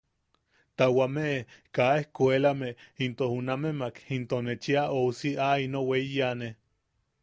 Ta wameʼe kaa ejkuelame into junamemak into ne chea ousi a ino weiyanne.